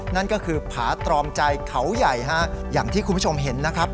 นั่นก็คือผาตรอมใจเขาใหญ่ฮะอย่างที่คุณผู้ชมเห็นนะครับ